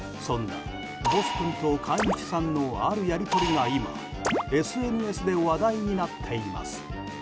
そんなボス君と飼い主さんのあるやり取りが今ＳＮＳで話題になっています。